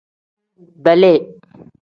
Beeli.